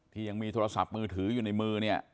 ยังมีโทรศัพท์มือถืออยู่ในมือเนี่ย